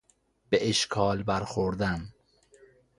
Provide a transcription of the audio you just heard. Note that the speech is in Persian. به اشکال برخوردن